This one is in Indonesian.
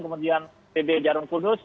kemudian pb jarum kudus